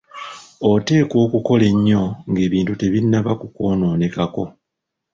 Oteekwa okukola ennyo nga ebintu tebinnaba kukwonoonekako.